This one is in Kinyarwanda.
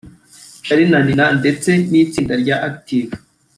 Charly na Nina ndetse n’itsinda rya Active